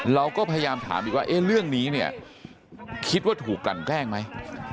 เราก็พยายามถามอีกว่าเรื่องนี้เนี่ยคิดว่าถูกกลั่นแกล้งไหม